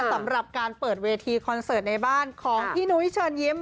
สำหรับการเปิดเวทีคอนเสิร์ตในบ้านของพี่นุ้ยเชิญยิ้ม